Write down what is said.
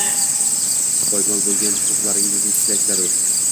Poymol boʻlgan huquqlaringizni tiklash zarur